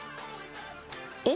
えっ？